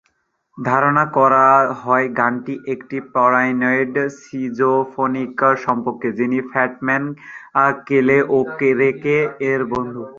ধারণা করা হয় গানটি "একটি প্যারানয়েড সিজোফ্রেনিক" সম্পর্কে, যিনি ফ্রন্টম্যান কেলে ওকেরেকে এর বন্ধু।